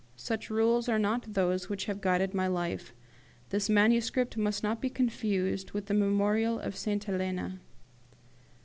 Such rules are not those which have guided my life: This manuscript must not be confused with the 'Memorial of Saint Helena'.